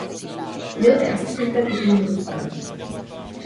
Byl i asistentem u týmu Ruska.